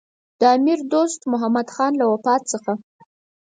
د امیر دوست محمدخان له وفات څخه.